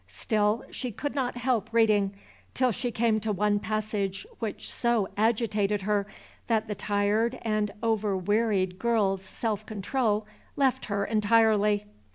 Still she could not help reading, till she came to one passage which so agitated her, that the tired and over wearied girl's self control left her entirely.